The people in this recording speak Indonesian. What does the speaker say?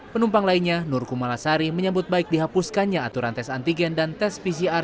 penumpang lainnya nur kumalasari menyebut baik dihapuskannya aturan tes antigen dan tes pcr